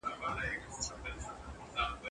زه به لوبه کړې وي!.